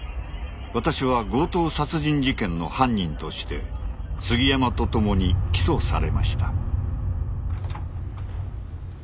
私は強盗殺人事件の犯人として杉山と共に起訴されました。